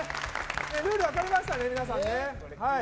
ルール分かりましたね、皆さん。